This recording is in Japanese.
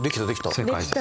正解です。